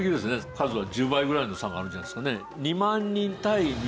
数は１０倍ぐらいの差があるんじゃないですかね。